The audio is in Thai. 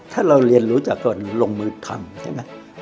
ถ้าเราเรียนรู้จากการลงมือทำใช่ไหม